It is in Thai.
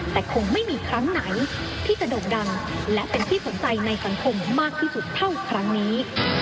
แต่คงไม่มีครั้งไหนที่จะโด่งดังและเป็นที่สนใจในสังคมมากที่สุดเท่าครั้งนี้